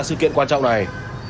sự kiện quan trọng này